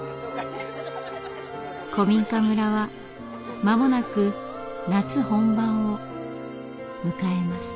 古民家村は間もなく夏本番を迎えます。